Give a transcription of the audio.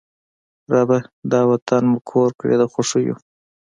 ربه! دا وطن مو کور کړې د خوښیو